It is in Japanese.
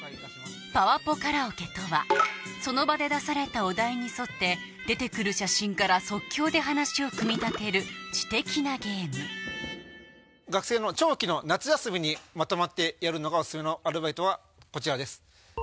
パワポカラオケとはその場で出されたお題に沿って出てくる写真から即興で話を組み立てる知的なゲーム学生の長期の夏休みにまとまってやるのがオススメのアルバイトはこちらです。